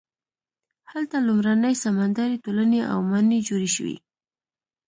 هلته لومړنۍ سمندري ټولنې او ماڼۍ جوړې شوې.